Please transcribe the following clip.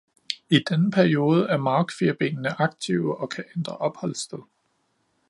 I denne periode er markfirbenene aktive og kan ændre opholdssted.